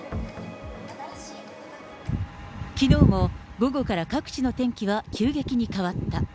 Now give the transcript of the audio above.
きのうも午後から各地の天気は急激に変わった。